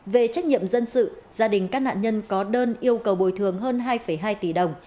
về trách nhiệm dân sự gia đình các nạn nhân có đơn yêu cầu bồi thường hơn hai hai tỷ đồng